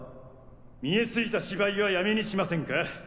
見え透いた芝居はやめにしませんか？